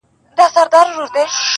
خیر لږ دي وي حلال دي وي پلارجانه,